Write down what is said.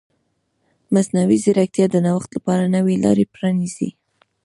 مصنوعي ځیرکتیا د نوښت لپاره نوې لارې پرانیزي.